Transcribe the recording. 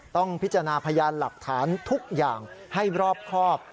ต้องพิจารณาพยานหลักฐานทุกอย่างให้รอบครอบ